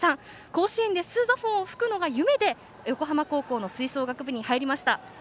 甲子園でスーザフォンを吹くのが夢で横浜高校の吹奏楽部に入りました。